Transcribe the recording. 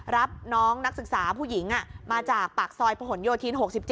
รับน้องนักศึกษาผู้หญิงมาจากปากซอยประหลโยธิน๖๗